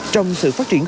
trong sự phát triển khóa